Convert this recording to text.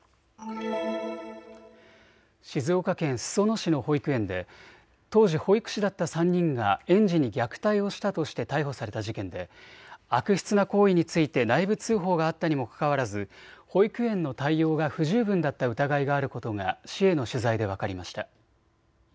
静岡県裾野市の保育園で当時、保育士だった３人が園児に虐待をしたとして逮捕された事件で悪質な行為について内部通報があったにもかかわらず保育園の対応が不十分だった疑いがあることが市への取材で分かりました。